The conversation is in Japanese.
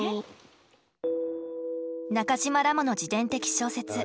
中島らもの自伝的小説